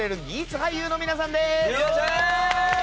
俳優の皆さんです。